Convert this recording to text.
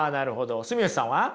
住吉さんは？